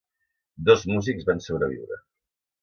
Dos músics van sobreviure.